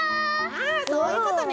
あそういうことね。